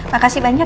makasih banyak ya